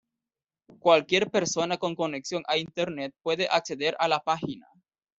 Cualquier persona con conexión a internet puede acceder a la página.